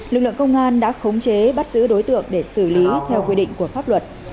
lực lượng công an đã khống chế bắt giữ đối tượng để xử lý theo quy định của pháp luật